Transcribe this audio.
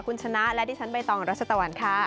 คุณชนะและดิฉันใบตองรัชตะวันค่ะ